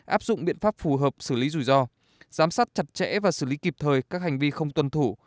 áp dụng biện pháp phù hợp xử lý rủi ro giám sát chặt chẽ và xử lý kịp thời các hành vi không tuân thủ